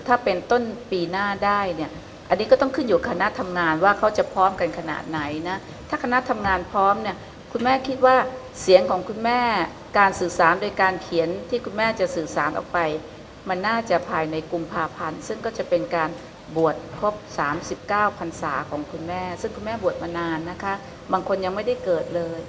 ถ้าเป็นต้นปีหน้าได้เนี่ยอันนี้ก็ต้องขึ้นอยู่คณะทำงานว่าเขาจะพร้อมกันขนาดไหนนะถ้าคณะทำงานพร้อมเนี่ยคุณแม่คิดว่าเสียงของคุณแม่การสื่อสารโดยการเขียนที่คุณแม่จะสื่อสารออกไปมันน่าจะภายในกุมภาพันธ์ซึ่งก็จะเป็นการบวชครบ๓๙พันศาของคุณแม่ซึ่งคุณแม่บวชมานานนะคะบางคนยังไม่ได้เกิดเลย